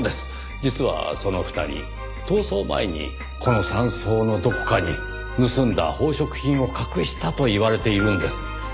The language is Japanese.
実はその２人逃走前にこの山荘のどこかに盗んだ宝飾品を隠したといわれているんです。